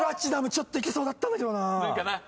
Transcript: ちょっといけそうだったんだけどな！